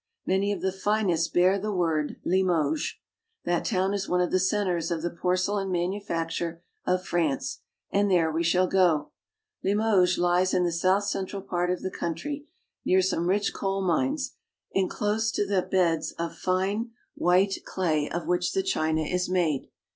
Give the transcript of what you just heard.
Many of the finest bear the word Limoges (le mozb'). That town is one of the centers of the porce lain manufacture of France, and there we shall go. Li moges lies in the south central part of the country, near some rich coal mines and close to the beds of fine white I06 FRANCE. clay of which the china is made.